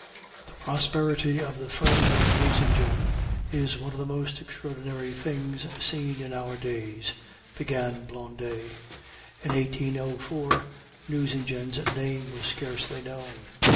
"The prosperity of the firm of Nucingen is one of the most extraordinary things seen in our days," began Blondet. "In 1804 Nucingen's name was scarcely known.